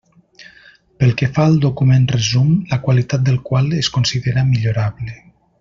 Pel que fa al document resum, la qualitat del qual es considera millorable.